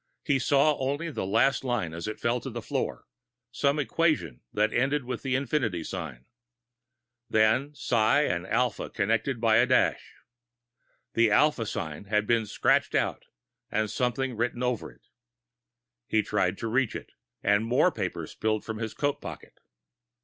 He saw only the last line as it fell to the floor some equation that ended with an infinity sign. Then psi and alpha, connected by a dash. The alpha sign had been scratched out, and something written over it. He tried to reach it, and more papers spilled from his coat pocket.